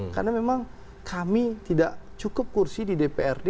karena memang kami tidak cukup kursi di dprd